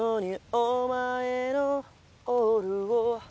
おまえのオールを